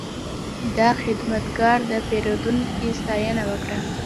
دا خدمتګر د پیرودونکي ستاینه وکړه.